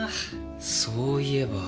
そういえば。